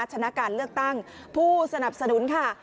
ชนะการเลือกตั้งผู้สนับสนุนค่ะ